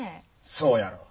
そうやろう。